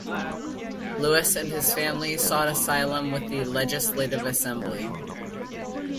Louis and his family sought asylum with the Legislative Assembly.